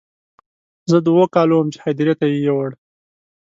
زه د اوو کالو وم چې هدیرې ته یې یووړ.